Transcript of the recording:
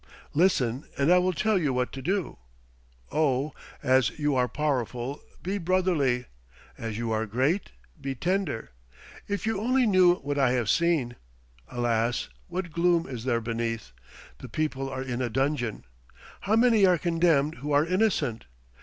Listen, and I will tell you what to do. Oh! as you are powerful, be brotherly; as you are great, be tender. If you only knew what I have seen! Alas, what gloom is there beneath! The people are in a dungeon. How many are condemned who are innocent!